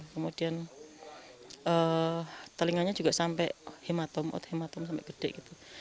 kemudian telinganya juga sampai hematom ot hematom sampai gede gitu